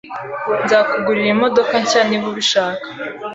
Nzakugurira imodoka nshya niba ubishaka